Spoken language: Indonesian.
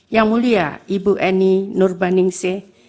yang mulia ibu eni nurbaningsih